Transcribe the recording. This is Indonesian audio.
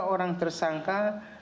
tiga orang tersangka